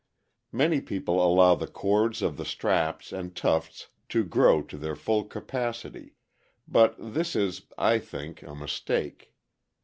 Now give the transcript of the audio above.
Many people allow the cords of the straps and tufts to grow to their full capacity, but this is, I think, a mistake.